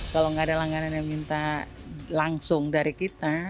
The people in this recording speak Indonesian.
kalau nggak ada langganan yang minta langsung dari kita